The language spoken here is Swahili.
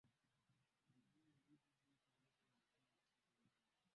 maendeleo ya nchi jinsi ilivyoonekana katika nchi nyingine yenye